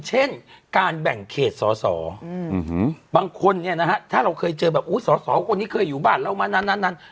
เช่นการแบ่งเขตสอสอบางคนเนี่ยนะฮะถ้าเราเคยเจอแบบสอสอคนนี้เคยอยู่บ้านเรามานั้น